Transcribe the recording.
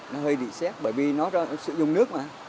nó hơi bị xét bởi vì nó sử dụng nước mà